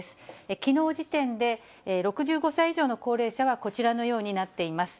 きのう時点で６５歳以上の高齢者はこちらのようになっています。